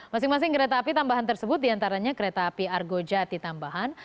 masing masing kereta api tambahan tersebut diantaranya kereta api argojati tambahan